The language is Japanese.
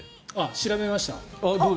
調べました。